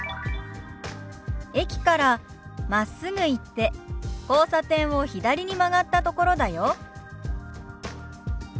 「駅からまっすぐ行って交差点を左に曲がったところだよ」。